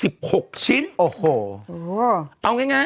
เบลล่าเบลล่า